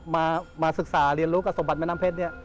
มาศึกษาเรียนรู้กับสมบัติแม่น้ำเพชรเนี่ย